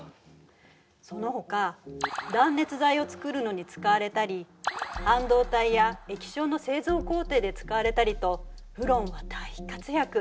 そのほか断熱材を作るのに使われたり半導体や液晶の製造工程で使われたりとフロンは大活躍。